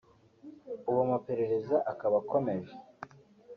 ubu amaperereza akaba akomeje